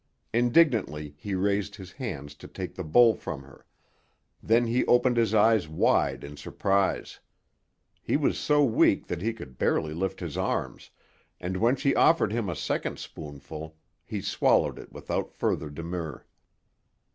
Indignantly he raised his hands to take the bowl from her; then he opened his eyes wide in surprise. He was so weak that he could barely lift his arms, and when she offered him a second spoonful he swallowed it without further demur.